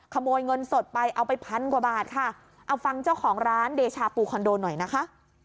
ขโมยเงินสดไปเอาไปพันกว่าบาทค่ะเอาฟังเจ้าของร้านเดชาปูคอนโดหน่อยนะคะ